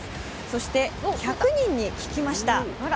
そして１００人に聞きました。